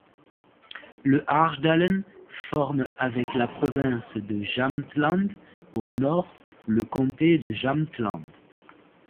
Le Härjedalen forme, avec la province de Jämtland au nord, le comté de Jämtland.